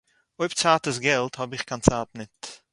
אויב צײַט איז געלט האָב איך קיין צײַט ניט.